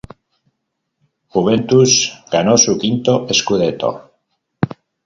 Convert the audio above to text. Juventus ganó su quinto "scudetto".